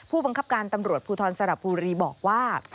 ผู้บังคับการตำรวจภูทรสระบุรีบอกว่า